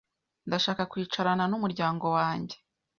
Ndashaka kwicarana n'umuryango wanjye.